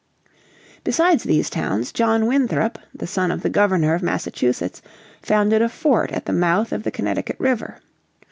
Besides these towns, John Winthrop, the son of the Governor of Massachusetts, founded a fort at the mouth of the Connecticut River.